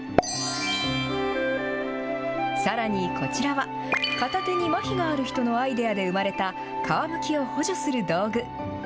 さらにこちらは、片手にまひがある人のアイデアで生まれた、皮むきを補助する道具。